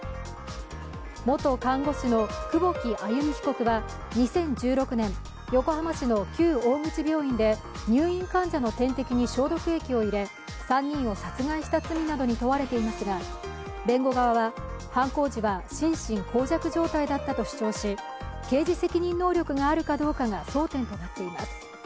元看護師の久保木愛弓被告は２０１６年横浜市の旧大口病院で入院患者の点滴に消毒液を入れ、３人を殺害した罪などに問われていますが弁護側は、犯行時は心神耗弱状態だったと主張し刑事責任能力があるかどうかが争点となっています。